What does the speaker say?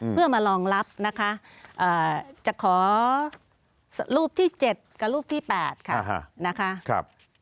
เพื่อมารองรับนะคะจะขอรูปที่๗กับรูปที่๘ค่ะนะคะ